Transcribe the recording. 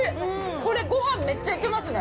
これ、ごはん、めっちゃいけますね。